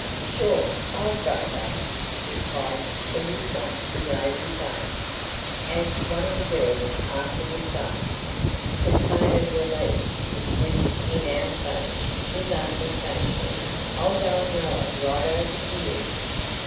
"Sure I've got a boat," replied the "would (not) be ladies' aid," as one of the girls afterward dubbed him. The tone of relief with which he now spoke was unmistakable. "I'll go and row it right over to you."